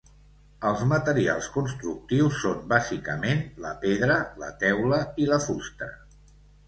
Els materials constructius són bàsicament la pedra, la teula i la fusta.